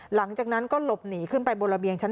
หลังจากนั้นก็หลบหนีขึ้นไปบนระเบียงชั้น